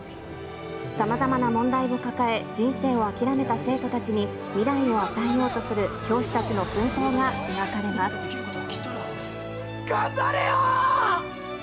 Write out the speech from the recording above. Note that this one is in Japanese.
さまざまな問題を抱え、人生を諦めた生徒たちに未来を与えようとする教師たちの奮闘が描頑張れよ！